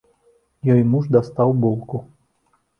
Ёй муж дастаў булку.